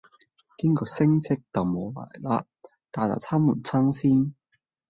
今個星期等我黎啦！大家撐唔撐先？